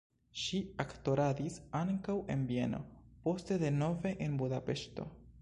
Ŝi aktoradis ankaŭ en Vieno, poste denove en Budapeŝto.